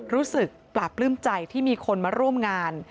รู้สึกปราบปลื้มใจที่มีคนมาร่วมงาน